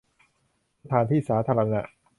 สถานที่สาธารณะ